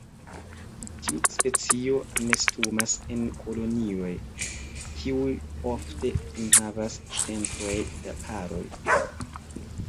Tiu specio nestumas en kolonioj, kiuj ofte enhavas centojn da paroj.